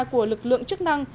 của lực lượng chức năng